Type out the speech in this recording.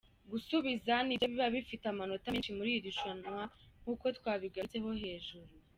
Gusubiza nibyo biba bifite amanota menshi muri iri rushanwa nkuko twabigarutseho hejuru.